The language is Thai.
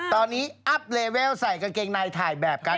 ตอนนี้อัพเลเวลใส่กางเกงในถ่ายแบบกัน